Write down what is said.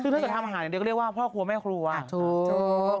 ซึ่งถ้าเกิดทำอาหารอย่างเดียวก็เรียกว่าพ่อครัวแม่ครัวถูก